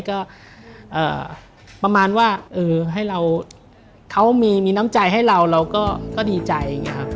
ก็ประมาณว่าเขามีน้ำใจให้เราเราก็ดีใจ